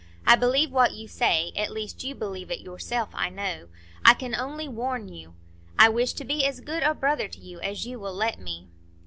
I believe what you say,—at least you believe it yourself, I know; I can only warn you. I wish to be as good a brother to you as you will let me."